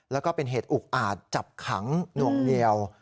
แล้วก็เป็นเหตุอุกอาจจับขังหน่วงเหนียว